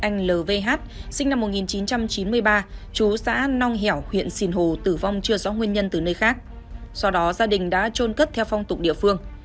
anh lh sinh năm một nghìn chín trăm chín mươi ba chú xã nong hẻo huyện sìn hồ tử vong chưa rõ nguyên nhân từ nơi khác sau đó gia đình đã trôn cất theo phong tục địa phương